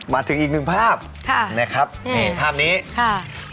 มาถึงอีกหนึ่งภาพแบบนี้คับ